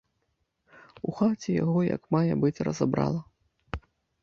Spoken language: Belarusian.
У хаце яго як мае быць разабрала.